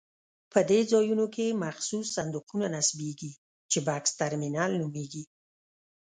په دې ځایونو کې مخصوص صندوقونه نصبېږي چې بکس ترمینل نومېږي.